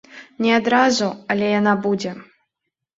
Не адразу, але яна будзе.